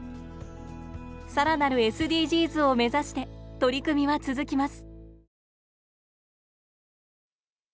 更なるＳＤＧｓを目指して取り組みは続きます。